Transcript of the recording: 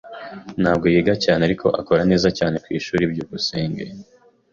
Ntabwo yiga cyane, ariko akora neza cyane kwishuri. byukusenge